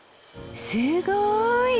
すごい！